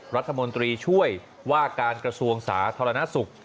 รัฐมนตรีช่วยว่าการกระทรวงสาธารณสุข